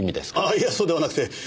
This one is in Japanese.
いやそうではなくて。